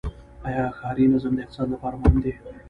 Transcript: آیا ښاري نظم د اقتصاد لپاره مهم دی؟